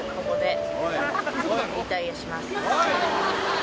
ここで？